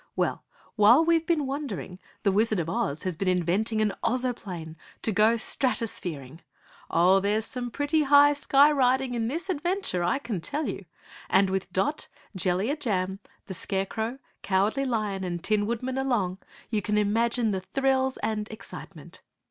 Well, while we've been wondering the Wizard of Oz has been inventing an Ozoplane to go Strato sphering! Oh, there's some pretty high sky riding in this adventure, I can tell you! And with Dot, Jellia Jam, the Scarecrow, Cowardly Lion and Tin Woodman along, you can imagine the thrills and excitement.